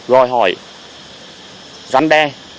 rồi hỏi rắn đe